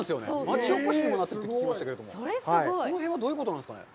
町おこしにもなっていると聞きましたけど、その辺はどういうことなんですかね。